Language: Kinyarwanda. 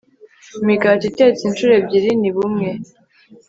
Imigati itetse inshuro ebyiri ni bumwe